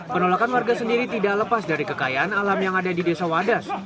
penolakan warga sendiri tidak lepas dari kekayaan alam yang ada di desa wadas